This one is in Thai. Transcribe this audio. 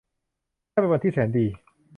ช่างเป็นวันที่แสนดี !